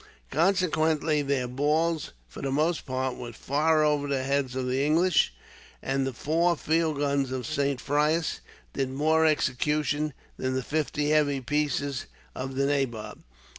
Consequently their balls, for the most part, went far over the heads of the English; and the four field guns of Saint Frais did more execution than the fifty heavy pieces of the nabob.